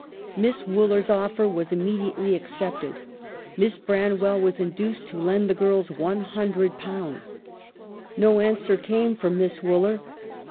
Miss Wooler's offer was immediately accepted. Miss Branwell was induced to lend the girls ^100. No answer came from Miss Wooler.